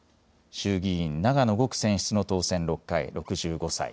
衆議院長野５区選出の当選６回６５歳。